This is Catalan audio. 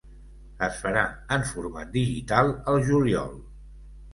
Es farà en format digital al juliol.